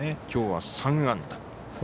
きょうは３安打。